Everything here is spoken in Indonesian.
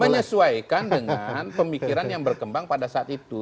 menyesuaikan dengan pemikiran yang berkembang pada saat itu